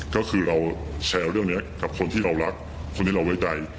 ก็คือเราแชร์เรื่องนี้กับคนที่เรารักคนที่เราไว้ใจ